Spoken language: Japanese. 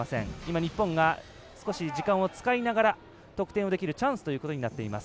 日本が少し時間を使いながら得点をできるチャンスになっています。